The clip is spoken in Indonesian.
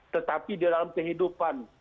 tetapi di dalam kehidupan